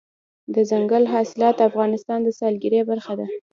دځنګل حاصلات د افغانستان د سیلګرۍ برخه ده.